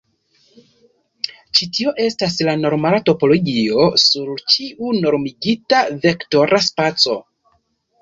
Ĉi tio estas la norma topologio sur ĉiu normigita vektora spaco.